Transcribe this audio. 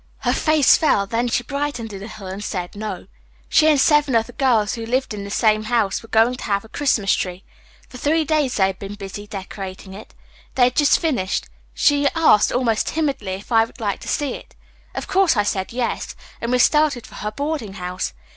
Her face fell, then she brightened a little and said, 'No.' She and seven other girls who lived in the same house were going to have a Christmas tree. For three days they had been busy decorating it. They had just finished. She asked, almost timidly, if I would like to see it. Of course I said 'Yes,' and we started for her boarding house.